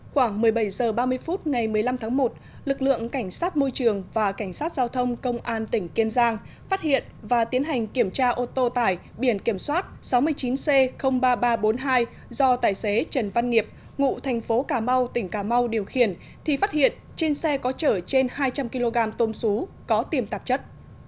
khoảng một mươi bảy h ba mươi phút ngày một mươi năm tháng một lực lượng cảnh sát môi trường và cảnh sát giao thông công an tỉnh kiên giang phát hiện và tiến hành kiểm tra ô tô tải biển kiểm soát sáu mươi chín c ba nghìn ba trăm bốn mươi hai do tài xế trần văn nghiệp ngụ thành phố cà mau tỉnh cà mau điều khiển thì phát hiện trên xe có chở trên hai trăm linh kg tôm sú có tiềm tạp chất